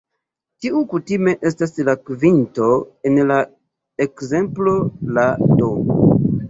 Tiu kutime estas la kvinto; en la ekzemplo la "d".